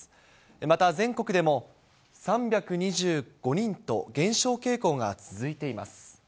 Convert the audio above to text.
また全国でも３２５人と減少傾向が続いています。